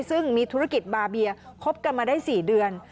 ซึ่งมีธุรกิจบาเบียคบกันมาได้๔เดือน